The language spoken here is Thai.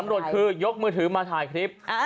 ตำรวจคือยกมือถือมาถ่ายคลิป